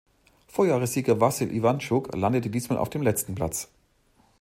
Vorjahressieger Wassyl Iwantschuk landete diesmal auf dem letzten Platz.